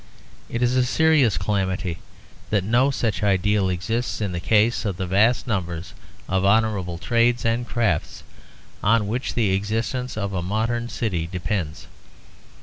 It is a serious calamity that no such ideal exists in the case of the vast number of honourable trades and crafts on which the existence of a modern city depends.